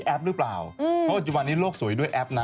แอปหรือเปล่าเพราะวันนี้โลกสวยด้วยแอปนะ